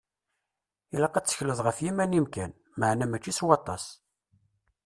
Ilaq ad tettekleḍ f yiman-im kan, meɛna mačči s waṭas.